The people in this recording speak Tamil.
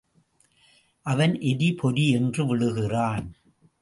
அவன் எரி பொரி என்று விழுகிறான்.